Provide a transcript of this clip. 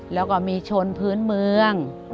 แล้วก็มีชนพื้นเมือง